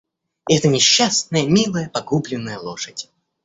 И эта несчастная, милая, погубленная лошадь!